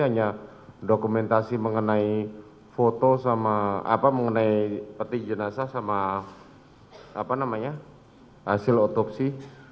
hanya dokumentasi mengenai peti jenazah sama hasil otopsi